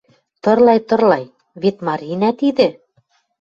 Тырлай, тырлай... Вет Марина тидӹ!